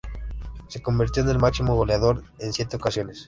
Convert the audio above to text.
Se convirtió en el máximo goleador en siete ocasiones.